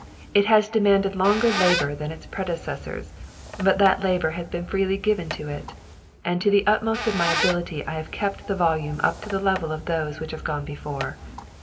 It has demanded longer labour than its predecessors, but that labour has been freely given to it ; and to the utmost of my ability I have kept the volume up to the level of those which have gone before.